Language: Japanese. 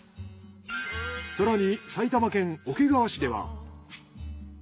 更に埼玉県桶川市では。